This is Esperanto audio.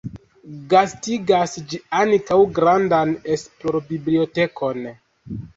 Gastigas ĝi ankaŭ grandan esplor-bibliotekon.